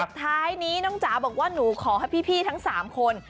ท้ายนี้น้องจ๋าบอกว่าหนูขอให้พี่ทั้ง๓คน